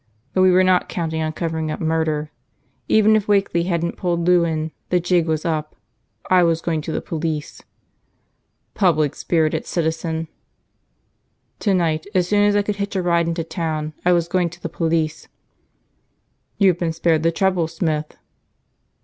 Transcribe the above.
But we were not counting on covering up murder. Even if Wakeley hadn't pulled Lou in, the jig was up. I was going to the police." "Public spirited citizen!" "Tonight, as soon as I could hitch a ride into town, I was going to the police." "You've been spared the trouble, Smith."